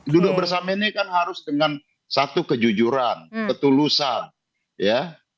duduk bersama ini kan harus dengan satu kejujuran ketulusan ya